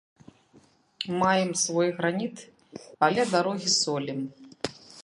Маем свой граніт, але дарогі солім.